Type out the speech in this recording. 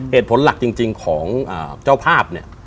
เหตุผลหลักจริงของเจ้าภาพ